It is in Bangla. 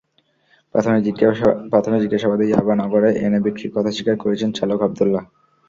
প্রাথমিক জিজ্ঞাসাবাদে ইয়াবা নগরে এনে বিক্রির কথা স্বীকার করেছেন চালক আবদুল্লাহ।